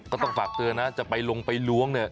ก็ต้องฝากเตือนนะจะไปลงไปล้วงเนี่ย